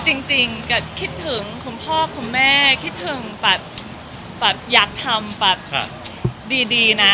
ใช่แต่จริงคิดถึงของพ่อคุณแม่คิดถึงอยากทำดีนะ